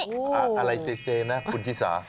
อะไรเซนะคุณชิสา